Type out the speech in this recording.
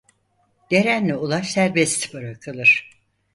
Deren'le Ulaş serbest bırakılır.